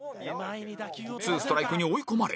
ツーストライクに追い込まれ